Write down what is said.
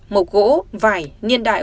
mộc gỗ vải điên đại